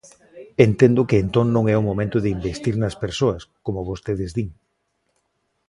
Entendo que entón non é o momento de investir nas persoas, como vostedes din.